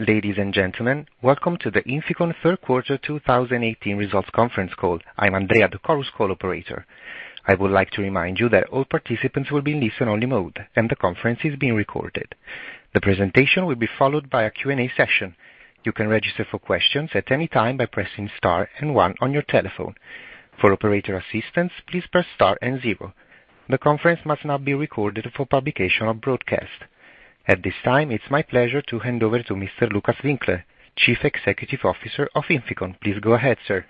Ladies and gentlemen, welcome to the INFICON third quarter 2018 results conference call. I'm Andrea, the Chorus Call operator. I would like to remind you that all participants will be in listen-only mode, and the conference is being recorded. The presentation will be followed by a Q&A session. You can register for questions at any time by pressing star and one on your telephone. For operator assistance, please press star and zero. The conference must not be recorded for publication or broadcast. At this time, it's my pleasure to hand over to Mr. Lukas Winkler, Chief Executive Officer of INFICON. Please go ahead, sir.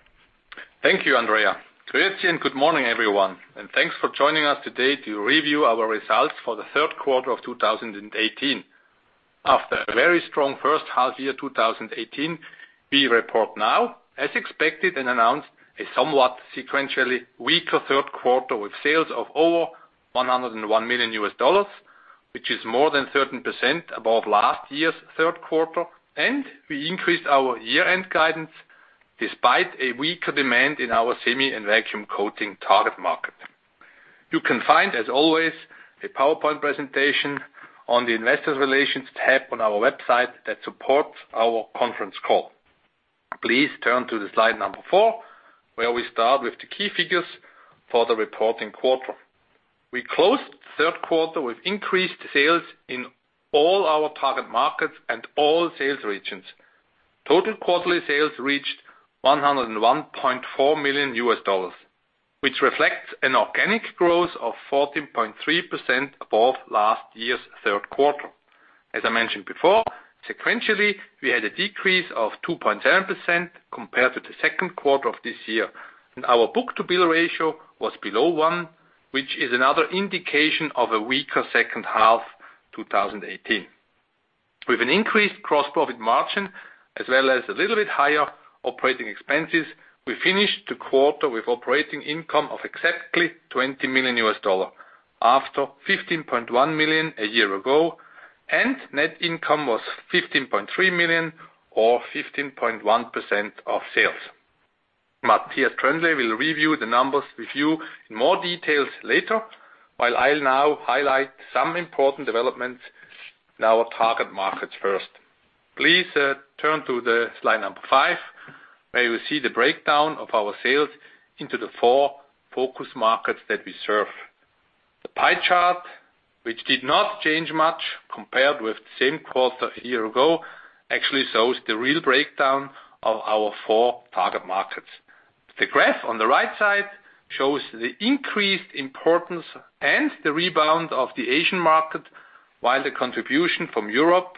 Thank you, Andrea. Greetings, good morning, everyone, and thanks for joining us today to review our results for the third quarter of 2018. After a very strong first half year 2018, we report now, as expected and announced, a somewhat sequentially weaker third quarter, with sales of over $101 million, which is more than 13% above last year's third quarter, and we increased our year-end guidance despite a weaker demand in our semi- and vacuum coating target market. You can find, as always, a PowerPoint presentation on the investor relations tab on our website that supports our conference call. Please turn to the slide number four, where we start with the key figures for the reporting quarter. We closed the third quarter with increased sales in all our target markets and all sales regions. Total quarterly sales reached $101.4 million, which reflects an organic growth of 14.3% above last year's third quarter. As I mentioned before, sequentially, we had a decrease of 2.7% compared to the second quarter of this year. Our book-to-bill ratio was below one, which is another indication of a weaker second half 2018. With an increased gross profit margin as well as a little bit higher operating expenses, we finished the quarter with operating income of exactly $20 million after $15.1 million a year ago, and net income was $15.3 million or 15.1% of sales. Matthias Tröndle will review the numbers with you in more details later, while I'll now highlight some important developments in our target markets first. Please turn to the slide number five, where you will see the breakdown of our sales into the four focus markets that we serve. The pie chart, which did not change much compared with the same quarter a year ago, actually shows the real breakdown of our four target markets. The graph on the right side shows the increased importance and the rebound of the Asian market, while the contribution from Europe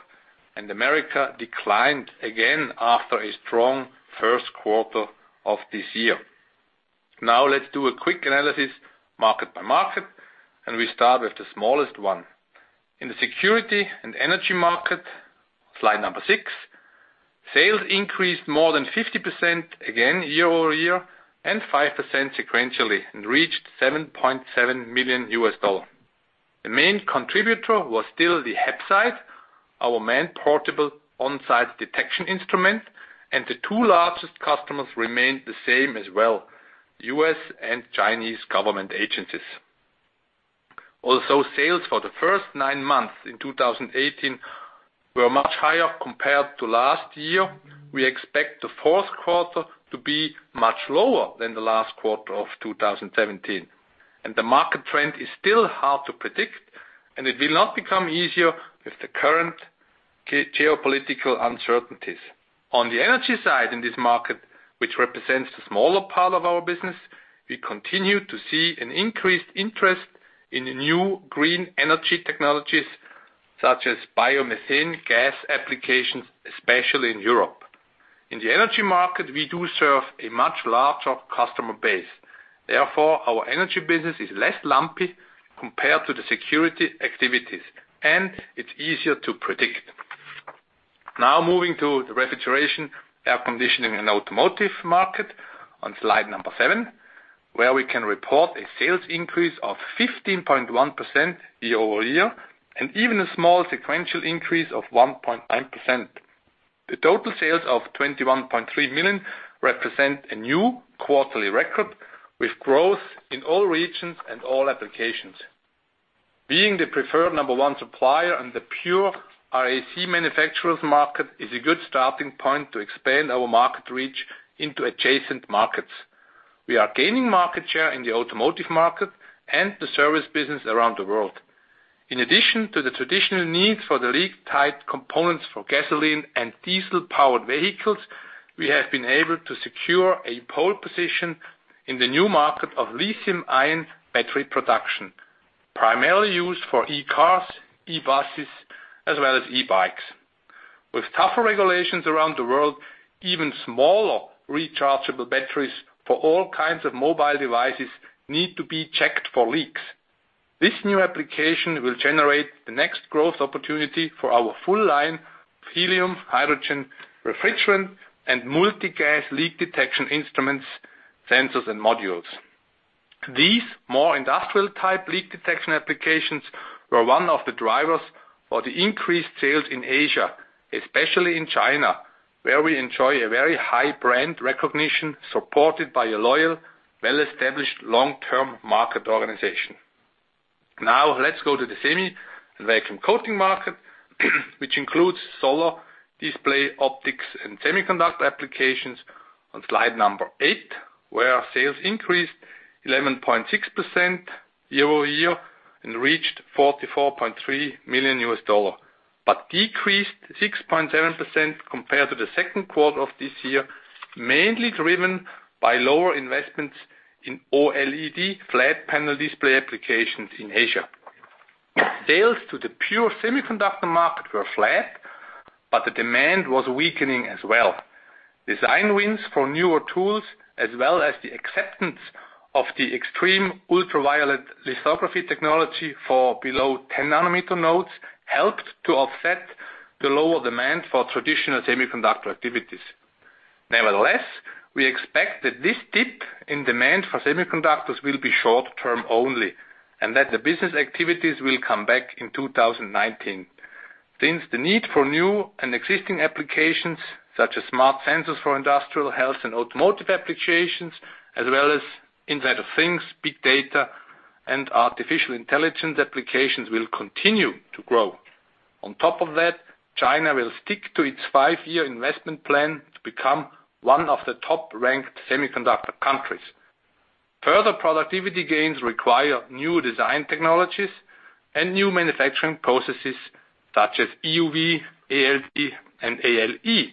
and America declined again after a strong first quarter of this year. Now let's do a quick analysis market by market, and we start with the smallest one. In the security and energy market, slide number six, sales increased more than 50% again year-over-year and 5% sequentially, and reached $7.7 million. The main contributor was still the HAPSITE, our main portable on-site detection instrument, and the two largest customers remained the same as well, U.S. and Chinese government agencies. Although sales for the first nine months in 2018 were much higher compared to last year, we expect the fourth quarter to be much lower than the last quarter of 2017. The market trend is still hard to predict, and it will not become easier with the current geopolitical uncertainties. On the energy side in this market, which represents the smaller part of our business, we continue to see an increased interest in new green energy technologies such as biomethane gas applications, especially in Europe. In the energy market, we do serve a much larger customer base. Therefore, our energy business is less lumpy compared to the security activities, and it's easier to predict. Now moving to the refrigeration, air conditioning, and automotive market on slide number seven, where we can report a sales increase of 15.1% year-over-year and even a small sequential increase of 1.9%. The total sales of $21.3 million represent a new quarterly record with growth in all regions and all applications. Being the preferred number one supplier in the pure RAC manufacturers market is a good starting point to expand our market reach into adjacent markets. We are gaining market share in the automotive market and the service business around the world. In addition to the traditional needs for the leak-tight components for gasoline and diesel-powered vehicles, we have been able to secure a pole position in the new market of lithium-ion battery production, primarily used for e-cars, e-buses, as well as e-bikes. With tougher regulations around the world, even smaller rechargeable batteries for all kinds of mobile devices need to be checked for leaks. This new application will generate the next growth opportunity for our full line of helium, hydrogen, refrigerant, and multi-gas leak detection instruments, sensors, and modules. These more industrial-type leak detection applications were one of the drivers for the increased sales in Asia, especially in China, where we enjoy a very high brand recognition supported by a loyal, well-established long-term market organization. Let's go to the semi and vacuum coating market, which includes solar display optics and semiconductor applications on slide number eight, where our sales increased 11.6% year-over-year and reached $44.3 million. Decreased 6.7% compared to the second quarter of this year, mainly driven by lower investments in OLED flat panel display applications in Asia. Sales to the pure semiconductor market were flat, but the demand was weakening as well. Design wins for newer tools, as well as the acceptance of the extreme ultraviolet lithography technology for below 10 nanometer nodes helped to offset the lower demand for traditional semiconductor activities. Nevertheless, we expect that this dip in demand for semiconductors will be short-term only, and that the business activities will come back in 2019. Since the need for new and existing applications such as smart sensors for industrial health and automotive applications, as well as Internet of Things, big data and artificial intelligence applications will continue to grow. On top of that, China will stick to its five-year investment plan to become one of the top-ranked semiconductor countries. Further productivity gains require new design technologies and new manufacturing processes such as EUV, ALD and ALE.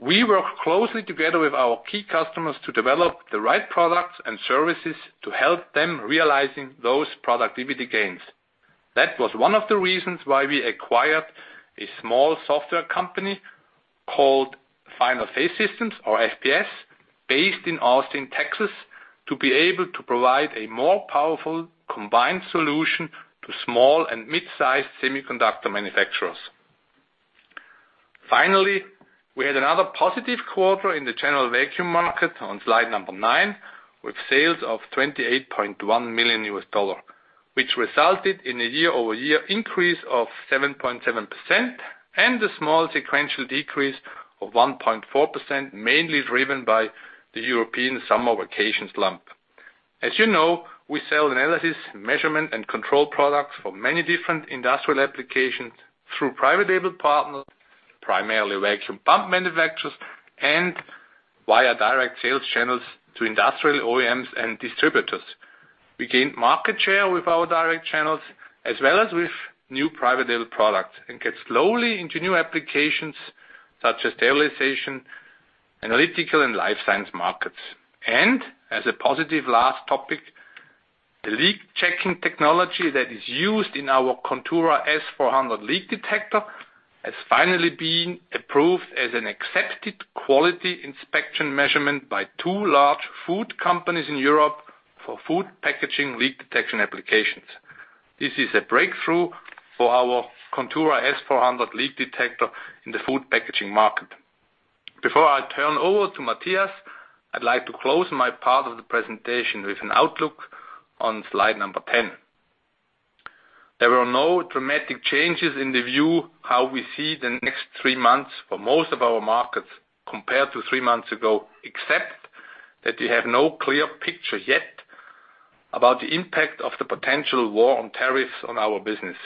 We work closely together with our key customers to develop the right products and services to help them realizing those productivity gains. That was one of the reasons why we acquired a small software company called Final Phase Systems, or FPS, based in Austin, Texas, to be able to provide a more powerful combined solution to small and mid-sized semiconductor manufacturers. Finally, we had another positive quarter in the general vacuum market on slide number nine, with sales of $28.1 million, which resulted in a year-over-year increase of 7.7% and a small sequential decrease of 1.4%, mainly driven by the European summer vacations slump. As you know, we sell analysis, measurement, and control products for many different industrial applications through private label partners, primarily vacuum pump manufacturers and via direct sales channels to industrial OEMs and distributors. We gained market share with our direct channels as well as with new private label products and get slowly into new applications such as sterilization, analytical, and life science markets. As a positive last topic, the leak-checking technology that is used in our Contura S400 leak detector has finally been approved as an accepted quality inspection measurement by two large food companies in Europe for food packaging leak detection applications. This is a breakthrough for our Contura S400 leak detector in the food packaging market. Before I turn over to Matthias, I'd like to close my part of the presentation with an outlook on slide number 10. There were no dramatic changes in the view how we see the next three months for most of our markets compared to three months ago, except that we have no clear picture yet about the impact of the potential war on tariffs on our business.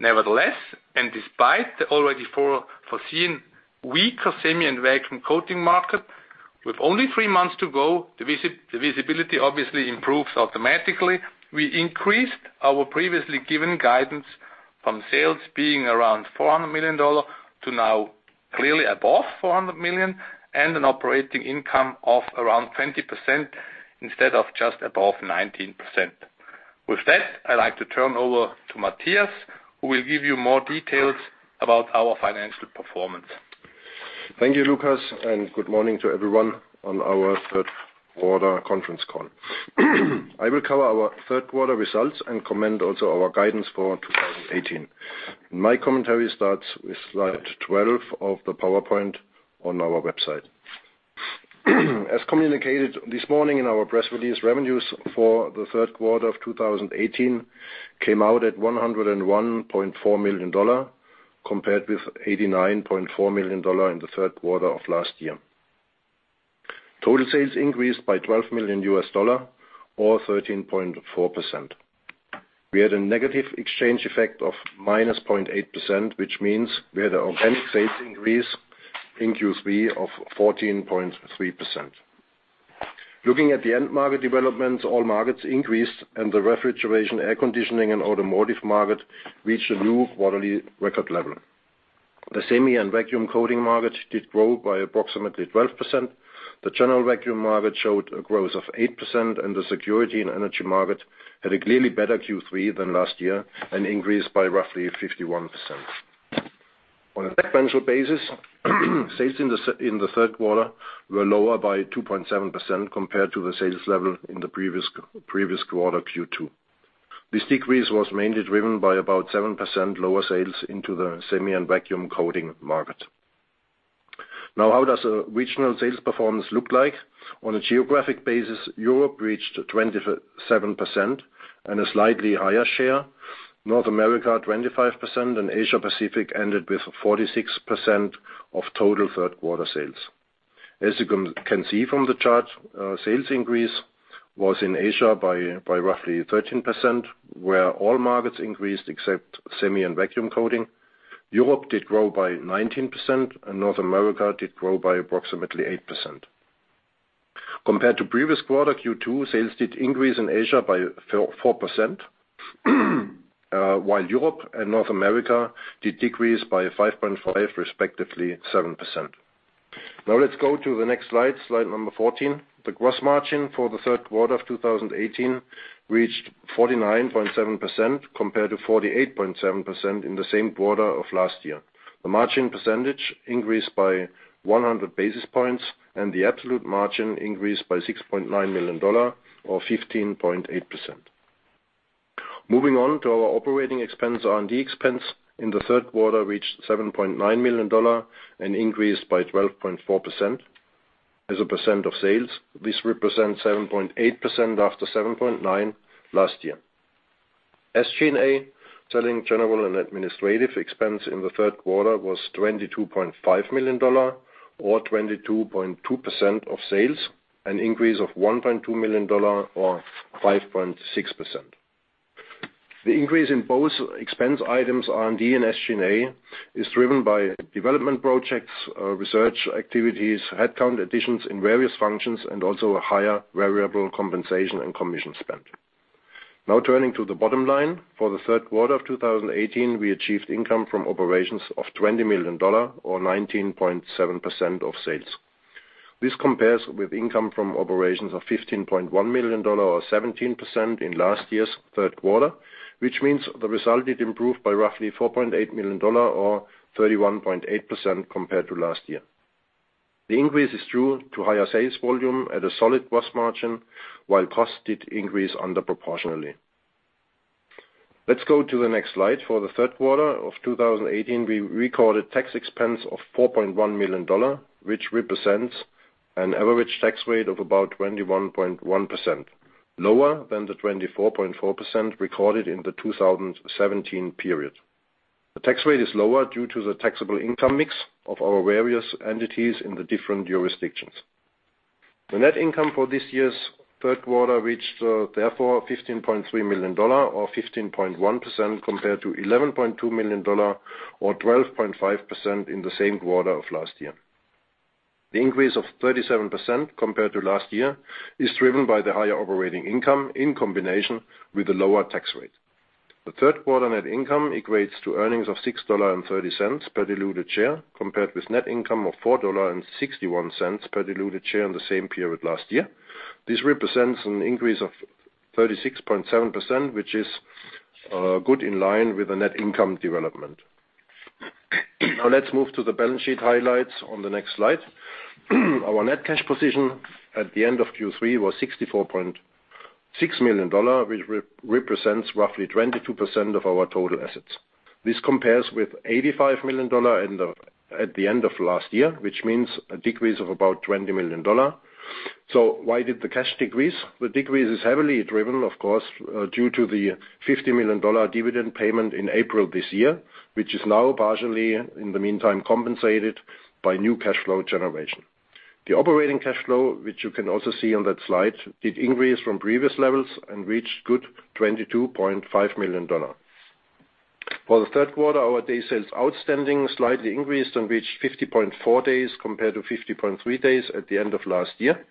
Nevertheless, and despite the already foreseen weaker semi and vacuum coating market, with only three months to go, the visibility obviously improves automatically. We increased our previously given guidance from sales being around $400 million to now clearly above $400 million, and an operating income of around 20% instead of just above 19%. With that, I'd like to turn over to Matthias, who will give you more details about our financial performance. Thank you, Lukas, and good morning to everyone on our third quarter conference call. I will cover our third quarter results and comment also our guidance for 2018. My commentary starts with slide 12 of the PowerPoint on our website. As communicated this morning in our press release, revenues for the third quarter of 2018 came out at $101.4 million, compared with $89.4 million in the third quarter of last year. Total sales increased by $12 million or 13.4%. We had a negative exchange effect of -0.8%, which means we had an organic sales increase in Q3 of 14.3%. Looking at the end market developments, all markets increased and the refrigeration, air conditioning, and automotive market reached a new quarterly record level. The semi and vacuum coating market did grow by approximately 12%. The general vacuum market showed a growth of 8%. The security and energy market had a clearly better Q3 than last year and increased by roughly 51%. On a sequential basis, sales in the third quarter were lower by 2.7% compared to the sales level in the previous quarter, Q2. This decrease was mainly driven by about 7% lower sales into the semi and vacuum coating market. How does the regional sales performance look like? On a geographic basis, Europe reached 27% and a slightly higher share, North America 25%, and Asia Pacific ended with 46% of total third-quarter sales. As you can see from the chart, sales increase was in Asia by roughly 13%, where all markets increased except semi and vacuum coating. Europe did grow by 19%, and North America did grow by approximately 8%. Compared to previous quarter, Q2, sales did increase in Asia by 4%, while Europe and North America did decrease by 5.5%, respectively 7%. Let's go to the next slide number 14. The gross margin for the third quarter of 2018 reached 49.7% compared to 48.7% in the same quarter of last year. The margin percentage increased by 100 basis points, and the absolute margin increased by $6.9 million or 15.8%. Moving on to our operating expense, R&D expense in the third quarter reached $7.9 million and increased by 12.4%. As a percent of sales, this represents 7.8% after 7.9% last year. SG&A, selling, general and administrative expense in the third quarter was $22.5 million or 22.2% of sales, an increase of $1.2 million or 5.6%. The increase in both expense items, R&D and SG&A, is driven by development projects, research activities, headcount additions in various functions, and also a higher variable compensation and commission spend. Turning to the bottom line. For the third quarter of 2018, we achieved income from operations of $20 million or 19.7% of sales. This compares with income from operations of $15.1 million or 17% in last year's third quarter, which means the result did improve by roughly $4.8 million or 31.8% compared to last year. The increase is due to higher sales volume at a solid gross margin, while costs did increase under proportionally. Let's go to the next slide. For the third quarter of 2018, we recorded tax expense of $4.1 million, which represents an average tax rate of about 21.1%, lower than the 24.4% recorded in the 2017 period. The tax rate is lower due to the taxable income mix of our various entities in the different jurisdictions. The net income for this year's third quarter reached therefore $15.3 million or 15.1% compared to $11.2 million or 12.5% in the same quarter of last year. The increase of 37% compared to last year is driven by the higher operating income in combination with a lower tax rate. The third quarter net income equates to earnings of $6.30 per diluted share, compared with net income of $4.61 per diluted share in the same period last year. This represents an increase of 36.7%, which is good in line with the net income development. Let's move to the balance sheet highlights on the next slide. Our net cash position at the end of Q3 was $64.6 million, which represents roughly 22% of our total assets. This compares with $85 million at the end of last year, which means a decrease of about $20 million. Why did the cash decrease? The decrease is heavily driven, of course, due to the $50 million dividend payment in April this year, which is now partially in the meantime compensated by new cash flow generation. The operating cash flow, which you can also see on that slide, did increase from previous levels and reached good $22.5 million. For the third quarter, our day sales outstanding slightly increased and reached 50.4 days compared to 50.3 days at the end of last year.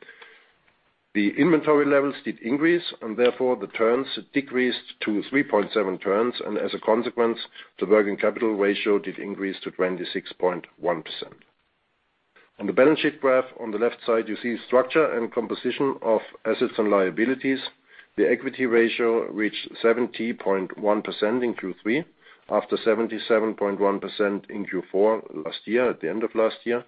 The inventory levels did increase and therefore the turns decreased to 3.7 turns, and as a consequence, the working capital ratio did increase to 26.1%. On the balance sheet graph, on the left side, you see structure and composition of assets and liabilities. The equity ratio reached 70.1% in Q3 after 77.1% in Q4 last year, at the end of last year.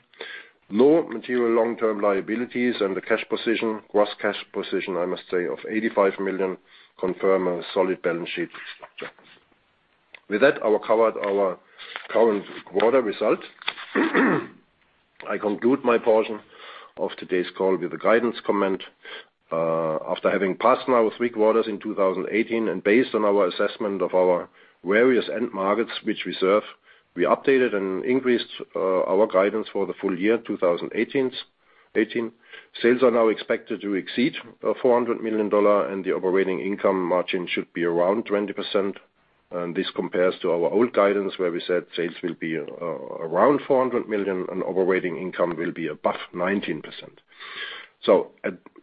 No material long-term liabilities and the cash position, gross cash position, I must say, of $85 million confirm a solid balance sheet structure. With that, I will cover our current quarter result. I conclude my portion of today's call with a guidance comment. After having passed now three quarters in 2018 and based on our assessment of our various end markets which we serve, we updated and increased our guidance for the full year 2018. Sales are now expected to exceed $400 million, and the operating income margin should be around 20%. This compares to our old guidance, where we said sales will be around $400 million and operating income will be above 19%.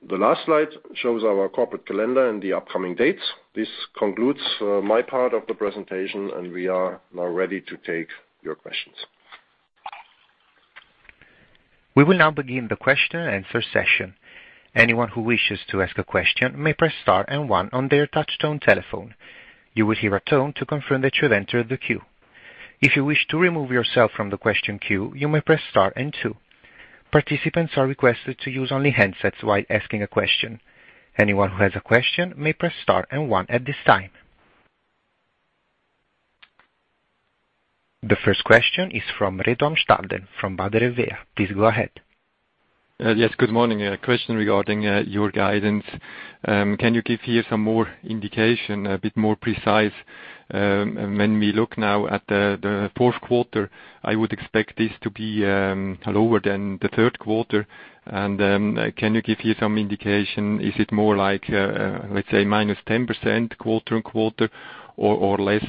The last slide shows our corporate calendar and the upcoming dates. This concludes my part of the presentation, and we are now ready to take your questions. We will now begin the question and answer session. Anyone who wishes to ask a question may press star and one on their touchtone telephone. You will hear a tone to confirm that you have entered the queue. If you wish to remove yourself from the question queue, you may press star and two. Participants are requested to use only handsets while asking a question. Anyone who has a question may press star and one at this time. The first question is from Reto Amstalden from Baader Helvea. Please go ahead. Yes, good morning. A question regarding your guidance Can you give here some more indication, a bit more precise? When we look now at the fourth quarter, I would expect this to be lower than the third quarter. Can you give here some indication? Is it more like, let's say, minus 10% quarter on quarter or less?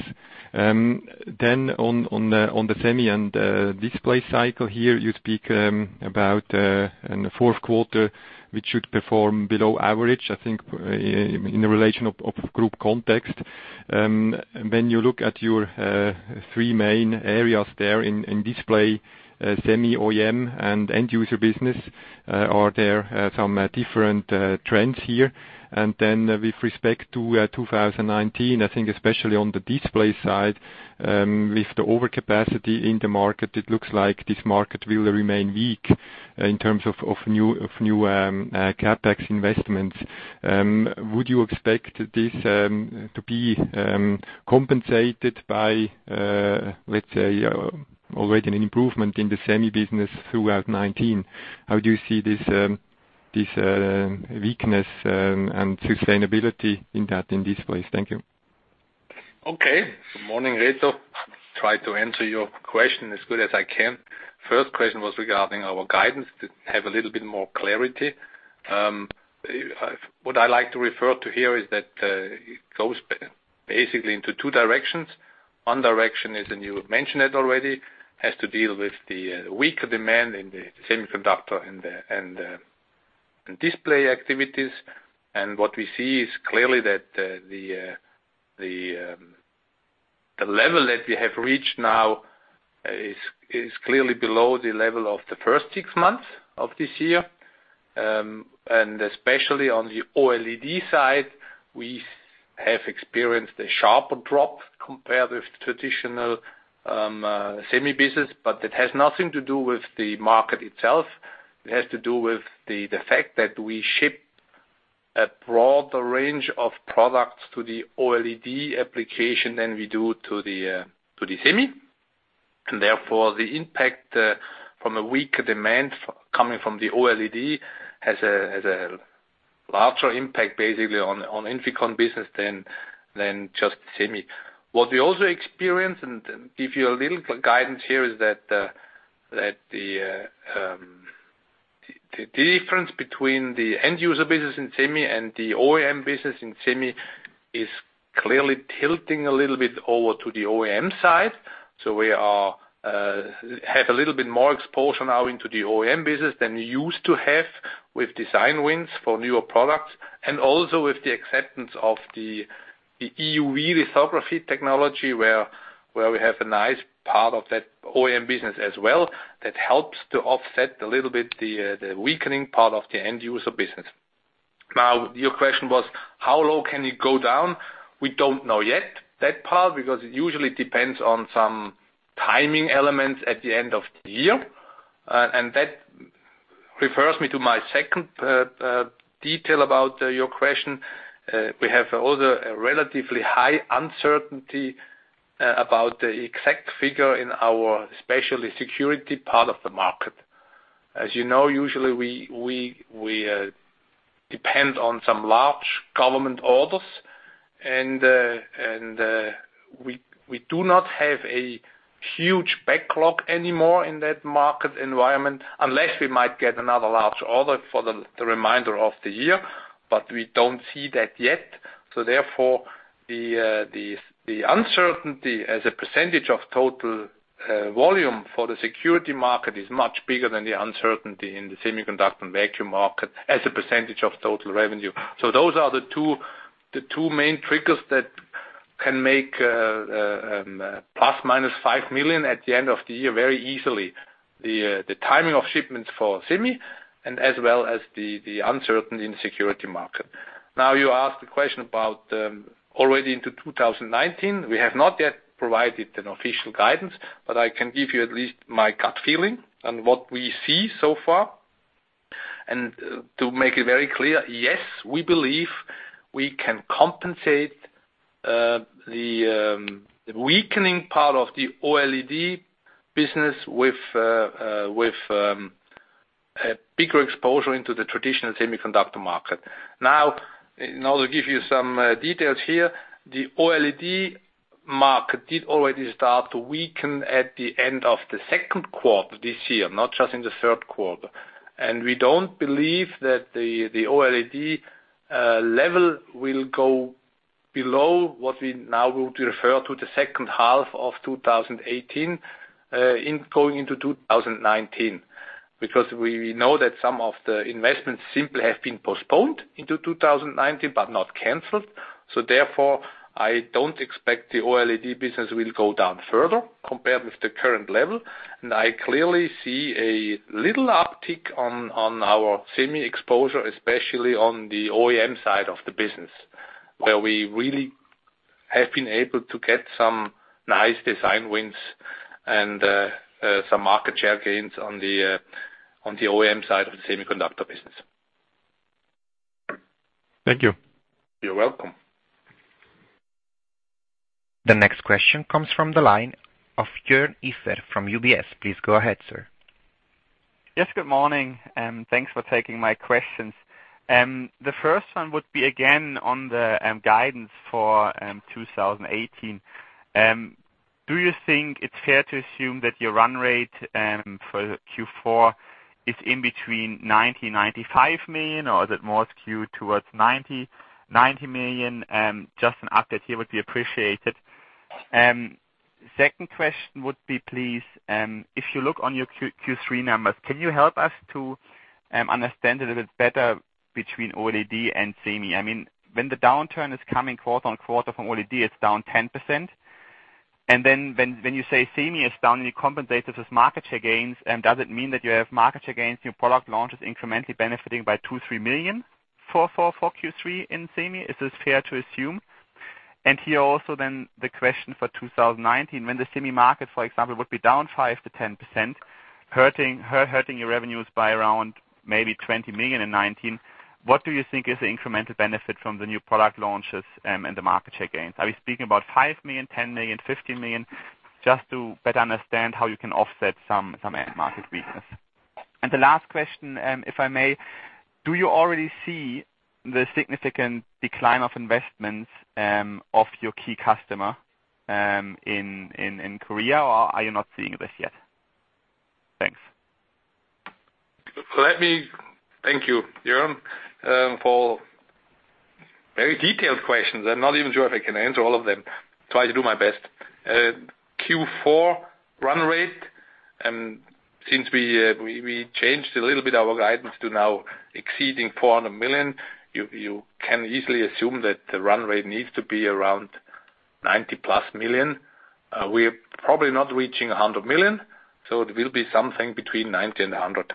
On the semi and display cycle here, you speak about in the fourth quarter, which should perform below average, I think in relation of group context. When you look at your three main areas there in display semi OEM and end user business, are there some different trends here? With respect to 2019, I think especially on the display side, with the overcapacity in the market, it looks like this market will remain weak in terms of new CapEx investments. Would you expect this to be compensated by, let's say, already an improvement in the semi business throughout 2019? How do you see this weakness and sustainability in that, in displays? Thank you. Okay. Good morning, Reto. Try to answer your question as good as I can. First question was regarding our guidance to have a little bit more clarity. What I like to refer to here is that it goes basically into two directions. One direction is, you mentioned it already, has to deal with the weaker demand in the semiconductor and the display activities. What we see is clearly that the level that we have reached now is clearly below the level of the first six months of this year. Especially on the OLED side, we have experienced a sharper drop compared with traditional semi business, but that has nothing to do with the market itself. It has to do with the fact that we ship a broader range of products to the OLED application than we do to the semi. Therefore, the impact from a weaker demand coming from the OLED has a larger impact, basically, on INFICON business than just semi. What we also experience, and give you a little guidance here, is that the difference between the end user business in semi and the OEM business in semi is clearly tilting a little bit over to the OEM side. We have a little bit more exposure now into the OEM business than we used to have with design wins for newer products and also with the acceptance of the EUV lithography technology, where we have a nice part of that OEM business as well that helps to offset a little bit the weakening part of the end user business. Your question was how low can it go down? We don't know yet that part, because it usually depends on some timing elements at the end of the year. That refers me to my second detail about your question. We have also a relatively high uncertainty about the exact figure in our specialty security part of the market. As you know, usually we depend on some large government orders, and we do not have a huge backlog anymore in that market environment unless we might get another large order for the remainder of the year, but we don't see that yet. Therefore, the uncertainty as a percentage of total volume for the security market is much bigger than the uncertainty in the semiconductor and vacuum market as a percentage of total revenue. Those are the two main triggers that can make a ±$5 million at the end of the year very easily. The timing of shipments for semi and as well as the uncertainty in security market. You asked a question about already into 2019. We have not yet provided an official guidance, but I can give you at least my gut feeling and what we see so far. To make it very clear, yes, we believe we can compensate the weakening part of the OLED business with a bigger exposure into the traditional semiconductor market. To give you some details here. The OLED market did already start to weaken at the end of the second quarter this year, not just in the third quarter. We don't believe that the OLED level will go below what we now would refer to the second half of 2018 going into 2019, because we know that some of the investments simply have been postponed into 2019 but not canceled. Therefore, I don't expect the OLED business will go down further compared with the current level. I clearly see a little uptick on our semi exposure, especially on the OEM side of the business, where we really have been able to get some nice design wins and some market share gains on the OEM side of the semiconductor business. Thank you. You're welcome. The next question comes from the line of Jorn Ifert from UBS. Please go ahead, sir. Yes, good morning. Thanks for taking my questions. The first one would be again on the guidance for 2018. Do you think it's fair to assume that your run rate for Q4 is in between $90 million-$95 million, or is it more skewed towards $90 million? Just an update here would be appreciated. Second question would be, please, if you look on your Q3 numbers, can you help us to understand a little bit better between OLED and semi? When the downturn is coming quarter-on-quarter from OLED, it's down 10%. When you say semi is down and you compensate this with market share gains, does it mean that you have market share gains, new product launches incrementally benefiting by $2 million-$3 million for Q3 in semi? Is this fair to assume? Here also the question for 2019, when the semi market, for example, would be down 5%-10%, hurting your revenues by around maybe $20 million in 2019, what do you think is the incremental benefit from the new product launches and the market share gains? Are we speaking about $5 million, $10 million, $15 million? Just to better understand how you can offset some end market weakness. The last question, if I may. Do you already see the significant decline of investments of your key customer in Korea, or are you not seeing this yet? Thanks. Thank you, Jorn, for very detailed questions. I'm not even sure if I can answer all of them. I try to do my best. Q4 run rate, since we changed a little bit our guidance to now exceeding $400 million, you can easily assume that the run rate needs to be around $90-plus million. We're probably not reaching $100 million, so it will be something between 90 and 100.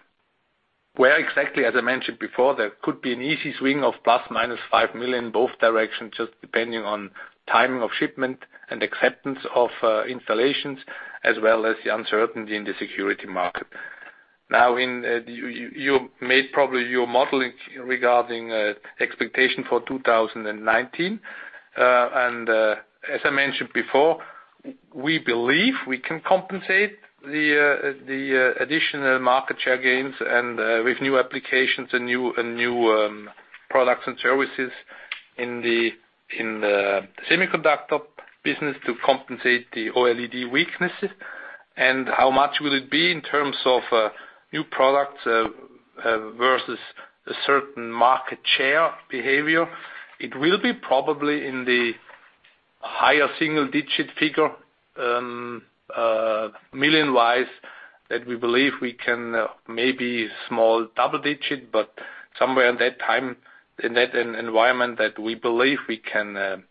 Where exactly, as I mentioned before, there could be an easy swing of ±$5 million both directions, just depending on timing of shipment and acceptance of installations as well as the uncertainty in the security market. You made probably your modeling regarding expectation for 2019. As I mentioned before, we believe we can compensate the additional market share gains and with new applications and new products and services in the semiconductor business to compensate the OLED weaknesses. How much will it be in terms of new products versus a certain market share behavior? It will be probably in the higher single-digit figure, million-wise, that we believe we can maybe small double digit, but somewhere in that environment that we believe we can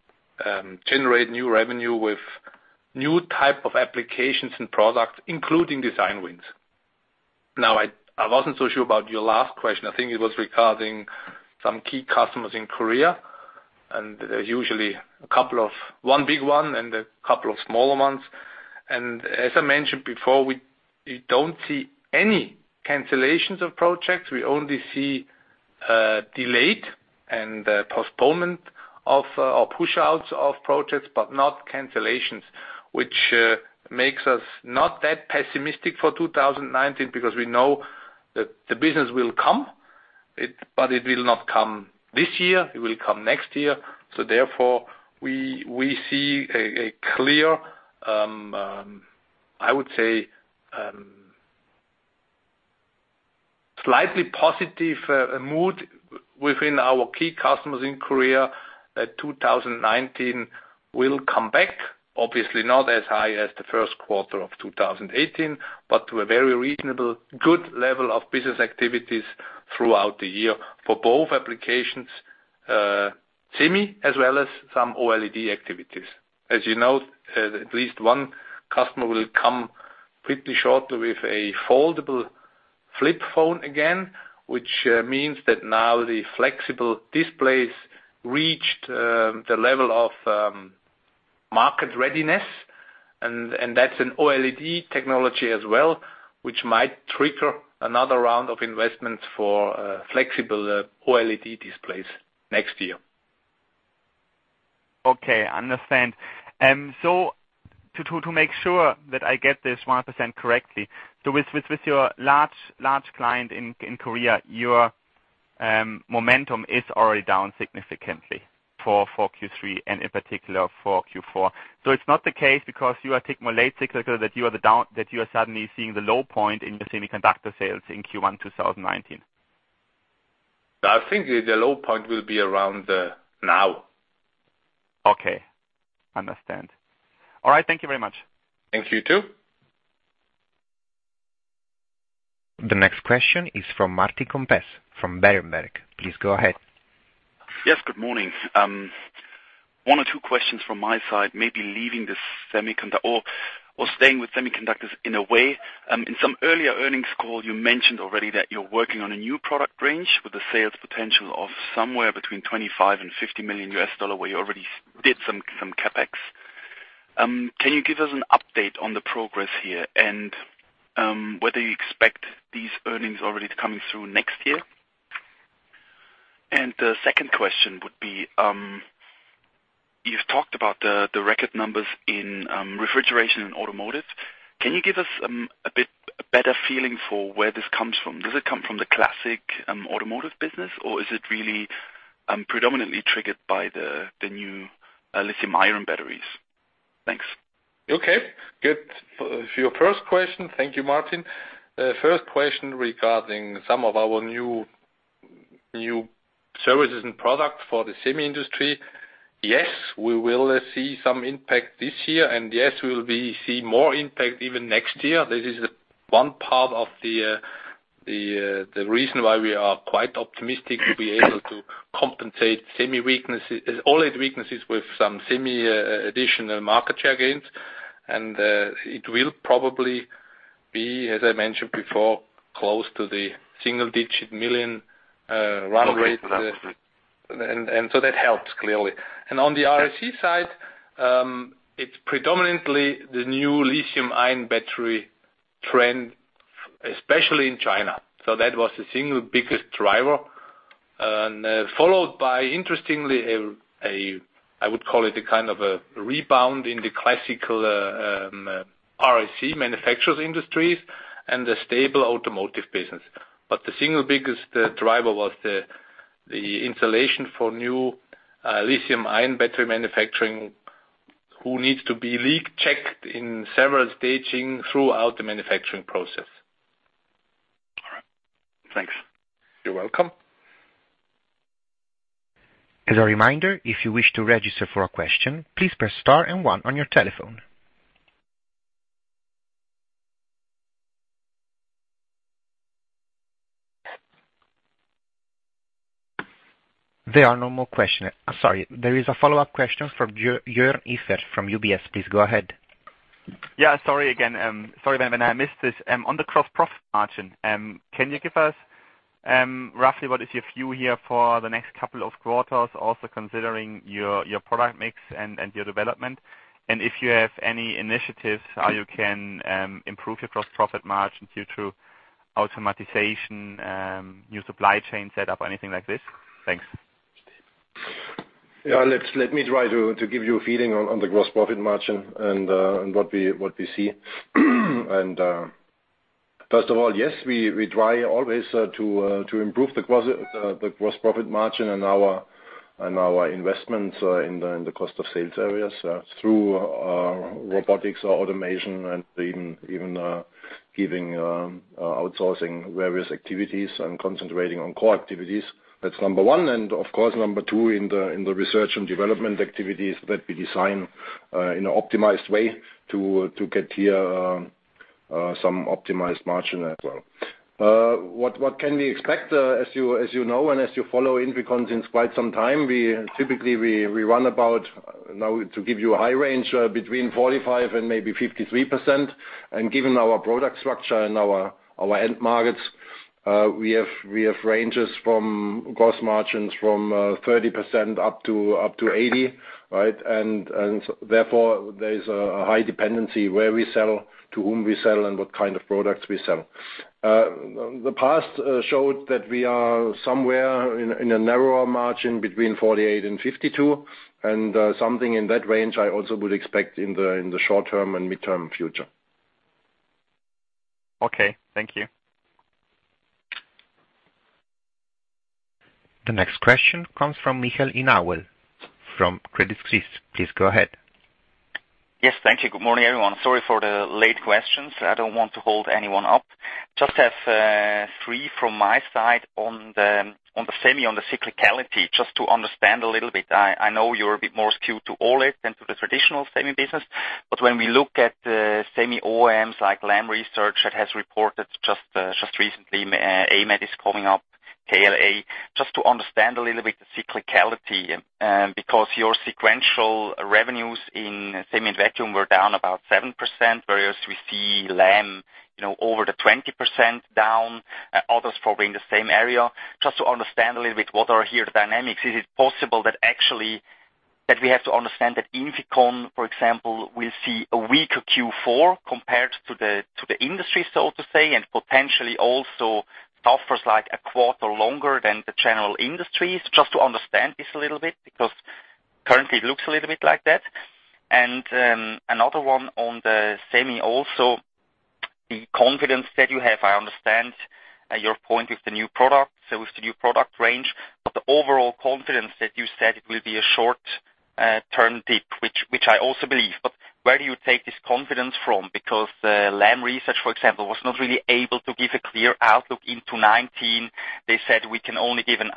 generate new revenue with new type of applications and products, including design wins. I wasn't so sure about your last question. I think it was regarding some key customers in Korea, usually one big one and a couple of smaller ones. As I mentioned before, we don't see any cancellations of projects. We only see delayed and postponement or push-outs of projects, but not cancellations, which makes us not that pessimistic for 2019 because we know that the business will come, but it will not come this year, it will come next year. Therefore, we see a clear, I would say, slightly positive mood within our key customers in Korea that 2019 will come back, obviously not as high as the first quarter of 2018, but to a very reasonable, good level of business activities throughout the year for both applications, semi as well as some OLED activities. As you know, at least one customer will come pretty short with a foldable flip phone again, which means that now the flexible displays reached the level of market readiness. That's an OLED technology as well, which might trigger another round of investments for flexible OLED displays next year. Okay, understand. To make sure that I get this 100% correctly. With your large client in Korea, your momentum is already down significantly for Q3 and in particular for Q4. It's not the case because you are tick more late cyclical that you are suddenly seeing the low point in your semiconductor sales in Q1 2019. I think the low point will be around now. Okay, understand. All right. Thank you very much. Thank you, too. The next question is from Martin Comtesse from Berenberg. Please go ahead. Yes, good morning. One or two questions from my side, maybe staying with semiconductors in a way. In some earlier earnings call, you mentioned already that you are working on a new product range with a sales potential of somewhere between $25 million and $50 million, where you already did some CapEx. Can you give us an update on the progress here? Whether you expect these earnings already coming through next year? The second question would be, you have talked about the record numbers in refrigeration and automotive. Can you give us a better feeling for where this comes from? Does it come from the classic automotive business, or is it really predominantly triggered by the new lithium-ion batteries? Thanks. Okay, good. For your first question, thank you, Martin. First question regarding some of our new services and products for the semi industry. Yes, we will see some impact this year, yes, we will see more impact even next year. This is one part of the reason why we are quite optimistic to be able to compensate OLED weaknesses with some semi additional market share gains. It will probably be, as I mentioned before, close to the single-digit million run rate. Okay. That helps, clearly. On the RAC side, it is predominantly the new lithium-ion battery trend, especially in China. That was the single biggest driver. Followed by, interestingly, I would call it a kind of a rebound in the classical RAC manufacturers industries and the stable automotive business. The single biggest driver was the installation for new lithium-ion battery manufacturing, who needs to be leak-checked in several staging throughout the manufacturing process. All right. Thanks. You're welcome. As a reminder, if you wish to register for a question, please press star and one on your telephone. There are no more questions. Sorry. There is a follow-up question from Jorn Ifert from UBS. Please go ahead. Yeah, sorry again. Sorry when I missed this. On the gross profit margin, can you give us roughly what is your view here for the next couple of quarters, also considering your product mix and your development? If you have any initiatives how you can improve your gross profit margin due to automatization, new supply chain set up, anything like this? Thanks. Yeah. Let me try to give you a feeling on the gross profit margin and what we see. First of all, yes, we try always to improve the gross profit margin and our investments in the cost of sales areas through robotics or automation and even giving outsourcing various activities and concentrating on core activities. That's number one, and of course, number two in the research and development activities that we design in an optimized way to get here some optimized margin as well. What can we expect? As you know, and as you follow INFICON since quite some time, typically we run about, now to give you a high range, between 45% and maybe 53%. Given our product structure and our end markets, we have ranges from gross margins from 30% up to 80%, right? Therefore, there is a high dependency where we sell, to whom we sell, and what kind of products we sell. The past showed that we are somewhere in a narrower margin between 48% and 52%, and something in that range I also would expect in the short term and midterm future. Okay. Thank you. The next question comes from Michael Inauen from Credit Suisse. Please go ahead. Yes. Thank you. Good morning, everyone. Sorry for the late questions. I don't want to hold anyone up. Just have three from my side on the semi, on the cyclicality, just to understand a little bit. I know you're a bit more skewed to OLED than to the traditional semi business, but when we look at the semi OEMs like Lam Research that has reported just recently, AMAT is coming up, KLA. Just to understand a little bit the cyclicality, because your sequential revenues in semi and vacuum were down about 7%, whereas we see Lam over the 20% down, others probably in the same area. Just to understand a little bit what are here the dynamics. Is it possible that actually that we have to understand that INFICON, for example, will see a weaker Q4 compared to the industry, so to say, and potentially also suffers like a quarter longer than the general industries? Just to understand this a little bit, because currently it looks a little bit like that. Another one on the semi also, the confidence that you have. I understand your point with the new product, so with the new product range, but the overall confidence that you said it will be a short-term dip, which I also believe. Where do you take this confidence from? Because Lam Research, for example, was not really able to give a clear outlook into 2019. They said, "We can only give an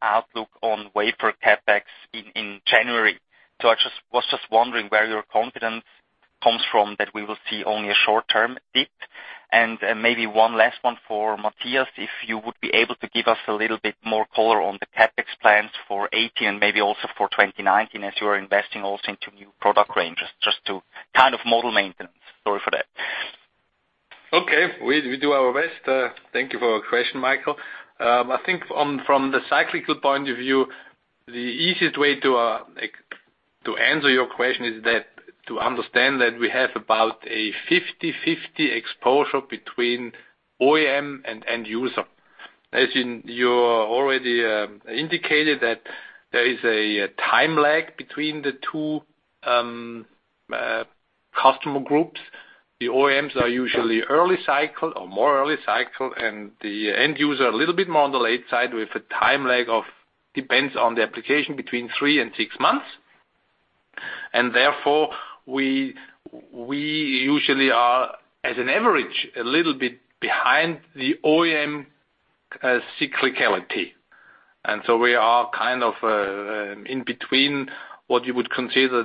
outlook on wafer CapEx in January." I was just wondering where your confidence comes from that we will see only a short-term dip. Maybe one last one for Matthias, if you would be able to give us a little bit more color on the CapEx plans for 2018 and maybe also for 2019, as you are investing also into new product ranges, just to model maintenance. Sorry for that. Okay. We do our best. Thank you for your question, Michael. I think from the cyclical point of view, the easiest way to To answer your question is that to understand that we have about a 50/50 exposure between OEM and end user. As you already indicated that there is a time lag between the two customer groups. The OEMs are usually early cycle or more early cycle, and the end user a little bit more on the late side, with a time lag of, depends on the application, between three and six months. Therefore, we usually are, as an average, a little bit behind the OEM cyclicality. We are kind of in between what you would consider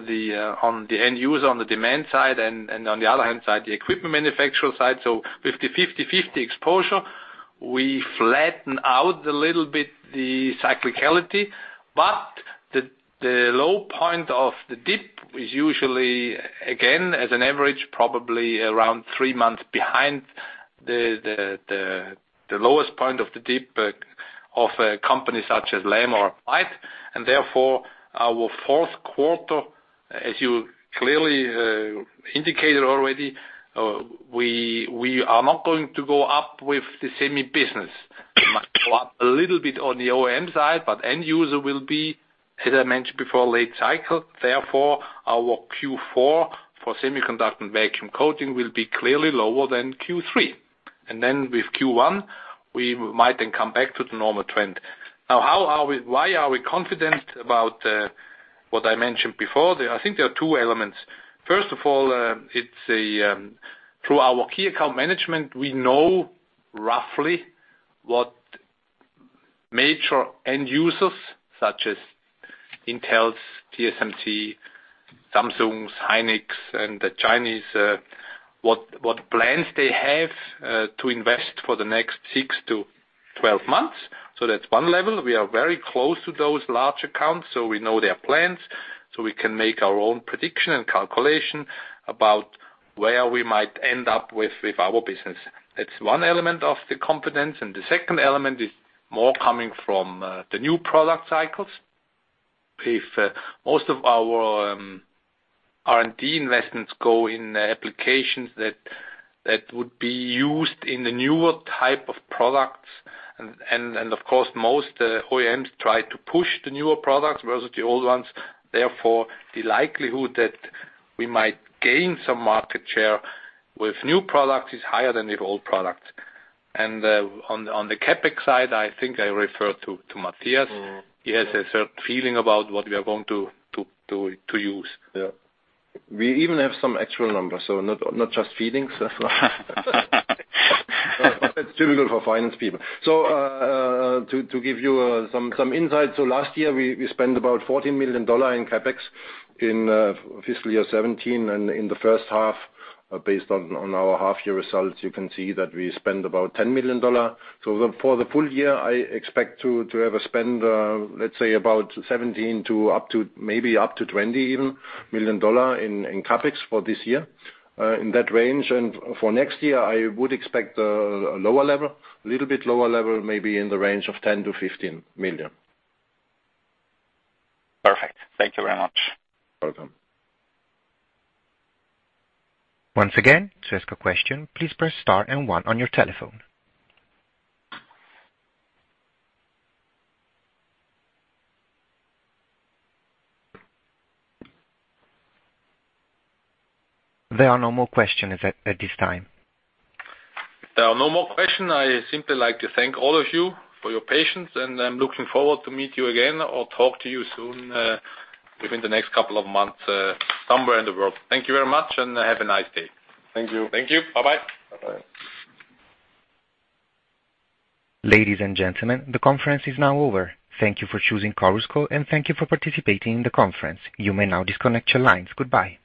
on the end user, on the demand side, and on the other hand side, the equipment manufacturer side. 50/50 exposure. We flatten out a little bit the cyclicality, but the low point of the dip is usually, again, as an average, probably around three months behind the lowest point of the dip of a company such as Lam or Applied. Therefore, our fourth quarter, as you clearly indicated already, we are not going to go up with the semi business. We might go up a little bit on the OEM side, but end user will be, as I mentioned before, late cycle. Therefore, our Q4 for semiconductor and vacuum coating will be clearly lower than Q3. With Q1, we might then come back to the normal trend. Now, why are we confident about what I mentioned before? I think there are two elements. First of all, through our key account management, we know roughly what major end users such as Intel, TSMC, Samsung, Hynix, and the Chinese, what plans they have to invest for the next six to 12 months. That's one level. We are very close to those large accounts, so we know their plans, so we can make our own prediction and calculation about where we might end up with our business. That's one element of the confidence. The second element is more coming from the new product cycles. If most of our R&D investments go in applications that would be used in the newer type of products, and of course, most OEMs try to push the newer products versus the old ones. Therefore, the likelihood that we might gain some market share with new products is higher than with old products. On the CapEx side, I think I refer to Matthias. He has a certain feeling about what we are going to use. Yeah. We even have some actual numbers, not just feelings. That is typical for finance people. To give you some insight. Last year we spent about $14 million in CapEx in fiscal year 2017. In the first half, based on our half year results, you can see that we spent about $10 million. For the full year, I expect to have a spend of, let's say, about $17 million to maybe up to $20 million even in CapEx for this year, in that range. For next year, I would expect a lower level, a little bit lower level, maybe in the range of $10 million to $15 million. Perfect. Thank you very much. Welcome. Once again, to ask a question, please press star 1 on your telephone. There are no more questions at this time. If there are no more questions, I simply like to thank all of you for your patience, and I am looking forward to meet you again or talk to you soon within the next couple of months somewhere in the world. Thank you very much and have a nice day. Thank you. Thank you. Bye-bye. Bye-bye. Ladies and gentlemen, the conference is now over. Thank you for choosing Chorus Call, and thank you for participating in the conference. You may now disconnect your lines. Goodbye.